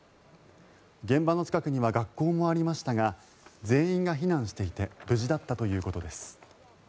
現場の近くには学校もありましたが全員が避難していて無事だったということです。